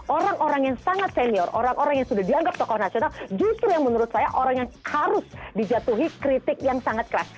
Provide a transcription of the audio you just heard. orang orang yang sangat senior orang orang yang sudah dianggap tokoh nasional justru yang menurut saya orang yang harus dijatuhi kritik yang sangat keras